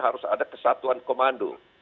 harus ada kesatuan komando